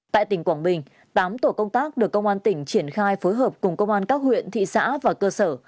tại tỉnh quảng bình tám tổ công tác được công an tỉnh triển khai phối hợp cùng công an các huyện thị xã và cơ sở